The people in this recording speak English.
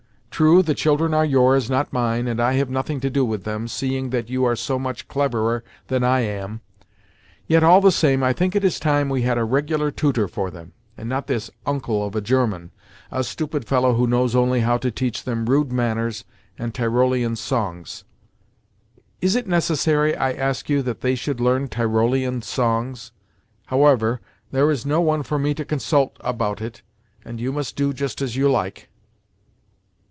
True, the children are yours, not mine, and I have nothing to do with them, seeing that you are so much cleverer than I am; yet all the same I think it is time we had a regular tutor for them, and not this 'Uncle' of a German—a stupid fellow who knows only how to teach them rude manners and Tyrolean songs! Is it necessary, I ask you, that they should learn Tyrolean songs? However, there is no one for me to consult about it, and you must do just as you like."